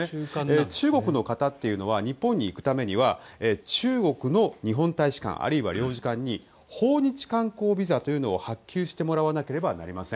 中国の方というのは日本に行くためには中国の日本大使館あるいは領事館に訪日観光ビザというものを発給してもらわなければいけません。